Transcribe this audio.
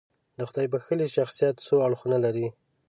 د خدای بښلي شخصیت څو اړخونه لرل.